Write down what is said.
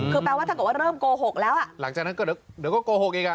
คือแปลว่าถ้าเกิดว่าเริ่มโกหกแล้วอ่ะหลังจากนั้นก็เดี๋ยวก็โกหกอีกอ่ะ